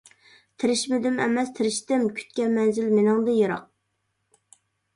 تىرىشمىدىم ئەمەس تىرىشتىم، كۈتكەن مەنزىل مېنىڭدىن يىراق.